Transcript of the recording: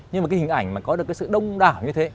nhưng mà cái hình ảnh mà có được cái sự đông đảo như thế